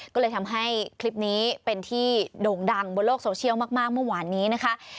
ก็เลยทำให้คลิปนี้เป็นที่โด่งดังบนโลกโซเชียลมากเมื่อวานนี้นะคะ